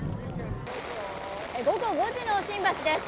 午後５時の新橋です。